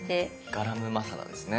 ガラムマサラですね。